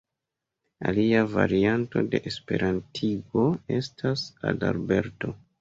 Alia varianto de esperantigo estas "Adalberto".